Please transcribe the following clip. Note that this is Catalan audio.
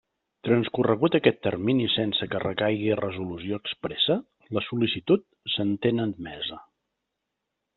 Transcorregut aquest termini sense que recaigui resolució expressa, la sol·licitud s'entén admesa.